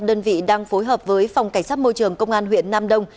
đơn vị đang phối hợp với phòng cảnh sát môi trường công an huyện nam đông